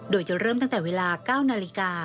โดยจะเริ่มตั้งแต่เวลา๙นาฬิกา